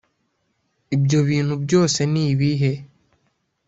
] ibyo bintu byose ni ibihe?